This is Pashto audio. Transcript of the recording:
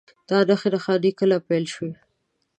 دا نښې نښانې کله پیل شوي؟